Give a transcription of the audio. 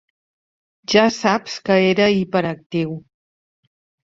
Ja saps que era hiperactiu!